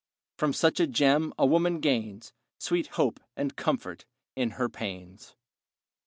From such a gem a woman gains Sweet hope and comfort in her pains.